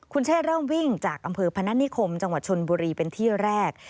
คุณเชษเริ่มวิ่งจากอำเภอพนัฐนิคมจังหวัดชนบุรีเป็นที่แรก